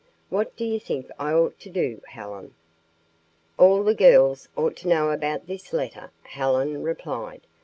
What do you think I ought to do, Helen?" "All the girls ought to know about this letter," Helen replied.